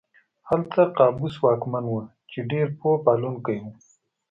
هلته قابوس واکمن و چې ډېر پوه پالونکی و.